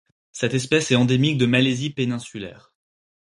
Cette espèce est endémique de Malaisie péninsulaire.